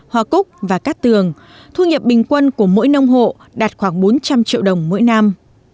hoa cúc và cát tường thu nhập bình quân của mỗi nông hộ đạt khoảng bốn trăm linh triệu đồng mỗi năm